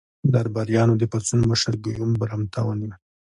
درباریانو د پاڅون مشر ګیوم برمته ونیو.